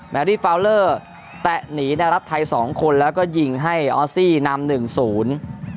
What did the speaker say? แอรี่ฟาวเลอร์แตะหนีได้รับไทยสองคนแล้วก็ยิงให้ออสซี่นำหนึ่งศูนย์